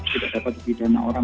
tidak dapat dipidana orang